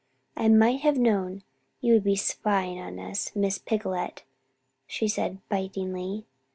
"I might have known you would be spying on us, Miss Picolet," she said, bitingly.